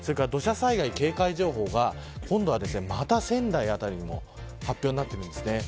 土砂災害警戒情報がまた仙台辺りに発表になっているんですね。